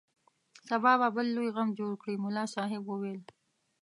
سبا به بل لوی غم جوړ کړي ملا صاحب وویل.